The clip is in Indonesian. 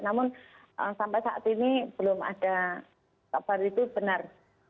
namun sampai saat ini belum ada kabar itu benar